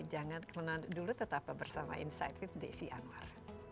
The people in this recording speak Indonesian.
jangan kemenangan dulu tetap bersama insight with desi anwar